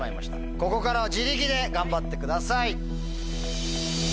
ここからは自力で頑張ってください。